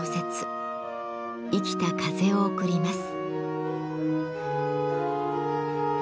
生きた風を送ります。